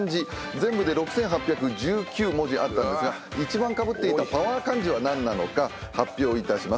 全部で６，８１９文字あったんですが１番かぶっていたパワー漢字は何なのか発表いたします